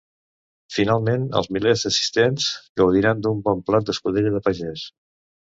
Finalment, els milers d'assistents gaudiran d'un bon plat d'escudella de pagès.